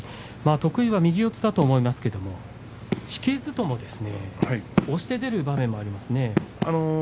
得意は右四つだと思いますけれど引けなくても押して出る場面がありますね。